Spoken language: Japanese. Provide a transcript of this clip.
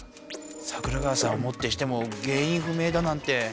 桜川さんをもってしても原いんふ明だなんて。